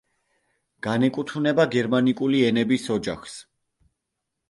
განეკუთვნება გერმანიკული ენების ოჯახს.